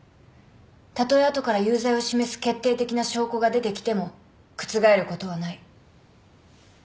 たとえ後から有罪を示す決定的な証拠が出てきても覆ることはない。